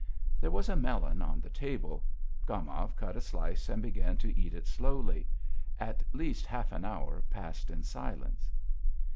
There was a melon on the table. Gomov cut a slice and began to eat it slowly. At least half an hour passed in silence.